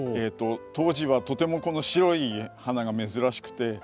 当時はとてもこの白い花が珍しくて。